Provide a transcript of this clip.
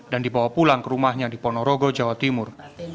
dan dibawa pulang ke rumahnya di ponorogo jawa timur